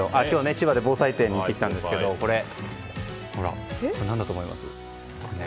千葉の防災展に行ってきたんですがこれ、何だと思います？